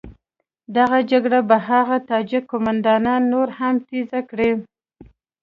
دغه جګړه به هغه تاجک قوماندانان نوره هم تېزه کړي.